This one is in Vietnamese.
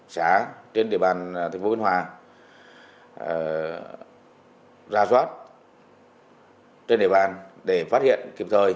xã trên đề bàn thành phố bình hòa ra soát trên đề bàn để phát hiện kịp thời